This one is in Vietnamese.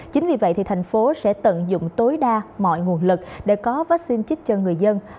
chính vì vậy thì thành phố sẽ tận dụng tối đa mọi nguồn lực để có vaccine trích cho người dân